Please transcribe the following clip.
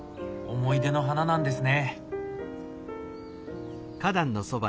思い出の花なんですね。